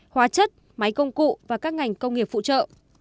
hóa chất máy công cụ và các ngành công nghiệp phụ trợ